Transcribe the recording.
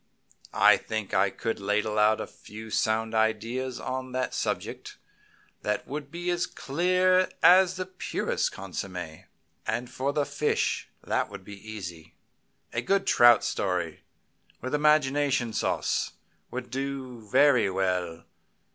I think I could ladle out a few sound ideas on that subject that would be as clear as the purest consommé. Then for fish, that would be easy. A good trout story, with imagination sauce, would do very well.